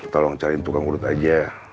tolong cari tukang urut aja